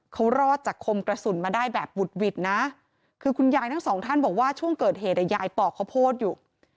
เขารอดจากคมกระสุนมาได้แบบบุดหวิดนะคือคุณยายทั้งสองท่านบอกว่าช่วงเกิดเหตุยายปอกข้าวโพดอยู่